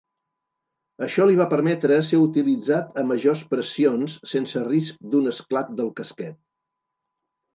Això li va permetre ser utilitzat a majors pressions sense risc d'un esclat del casquet.